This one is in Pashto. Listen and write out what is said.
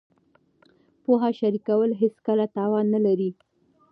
پوهه شریکول هېڅکله تاوان نه لري.